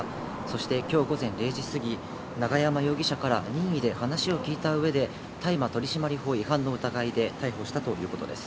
そしてきょう午前０時過ぎに永山容疑者から任意で話を聞いた上で、大麻取締法違反の疑いで逮捕したということです。